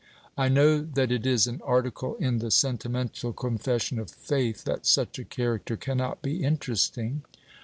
I know that it is an article in the sentimental confession of faith that such a character cannot be interesting.